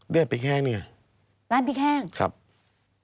ด้วยร้านพริกแห้งนี่